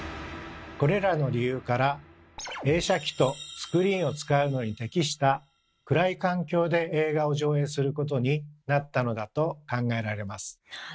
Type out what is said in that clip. これらの理由から映写機とスクリーンを使うのに適した暗い環境で映画を上映することになったのだと考えられます。